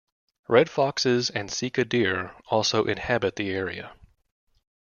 Red foxes and sika deer also inhabit the area.